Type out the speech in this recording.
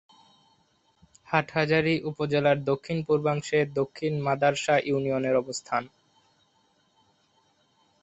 হাটহাজারী উপজেলার দক্ষিণ-পূর্বাংশে দক্ষিণ মাদার্শা ইউনিয়নের অবস্থান।